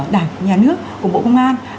đảng nhà nước của bộ công an